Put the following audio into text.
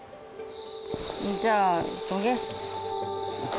じゃあどげ。